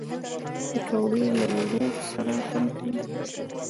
پکورې له ورور سره خوند کوي